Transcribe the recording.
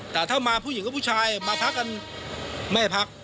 แต่ถ้ามาผู้หญิงกับผู้ชายมาพักกันไม่พัก